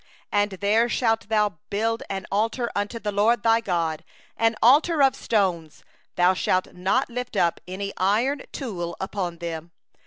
5And there shalt thou build an altar unto the LORD thy God, an altar of stones; thou shalt lift up no iron tool upon them.